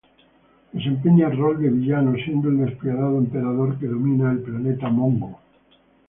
Desempeña el rol de villano, siendo el despiadado emperador que domina el planeta Mongo.